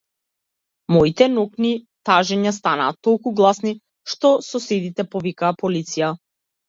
Моите ноќни тажења станаа толку гласни што соседите повикаа полиција.